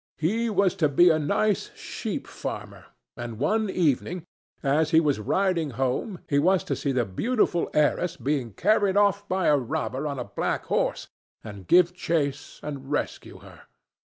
He was to be a nice sheep farmer, and one evening, as he was riding home, he was to see the beautiful heiress being carried off by a robber on a black horse, and give chase, and rescue her.